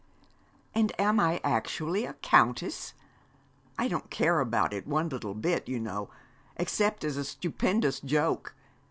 'And am I actually a Countess? I don't care about it one little bit, you know, except as a stupendous joke.